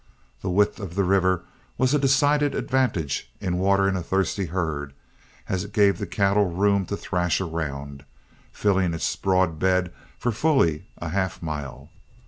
The width of the river was a decided advantage in watering a thirsty herd, as it gave the cattle room to thrash around, filling its broad bed for fully a half mile.